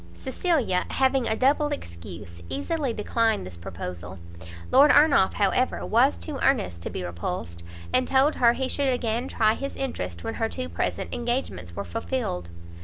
Cecilia, having a double excuse, easily declined this proposal; Lord Ernolf, however, was too earnest to be repulsed, and told her he should again try his interest when her two present engagements were fulfilled.